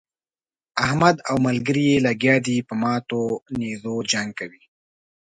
احمد او ملګري يې لګيا دي په ماتو نېزو جنګ کوي.